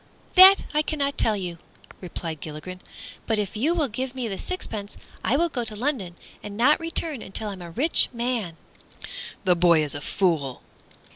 "That I cannot tell you," replied Gilligren, "but if you will give me the sixpence I will go to London, and not return until I am a rich man." "The boy is a fool!"